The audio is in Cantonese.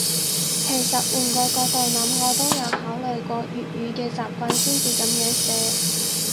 其實換個角度諗，我都有考慮過粵語嘅習慣先至噉樣寫